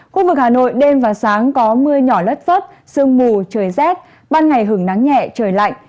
khu vực hà nội đêm và sáng có mưa nhỏ lất phất sương mù trời rét ban ngày hứng nắng nhẹ trời lạnh